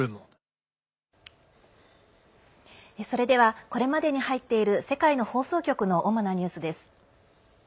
それではこれまでに入っている世界の放送局の主なニュースです。